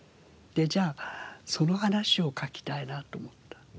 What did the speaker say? じゃあその話を書きたいなと思った。